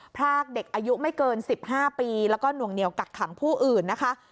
พรากเด็กอายุไม่เกิน๑๕ปีแล้วก็หน่วงเหนียวกักขังผู้อื่นนะคะ